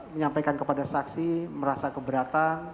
menyampaikan kepada saksi merasa keberatan